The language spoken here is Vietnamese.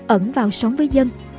ẩn vào sống với dân